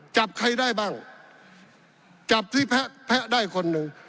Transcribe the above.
จับใครได้บ้างจับที่แพะแพะได้คนหนึ่ง